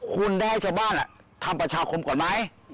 คุณได้ให้ชาวบ้านทำประชาคมก่อนไหม